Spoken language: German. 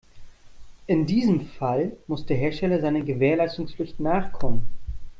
In diesem Fall muss der Hersteller seiner Gewährleistungspflicht nachkommen.